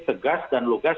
tegas dan lugas